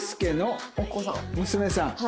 娘さん。